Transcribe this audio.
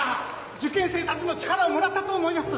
受験生たちも力をもらったと思います！